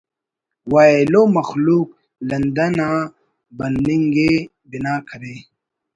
و ایلو مخلوق لندن آ بننگءِ بنا کرے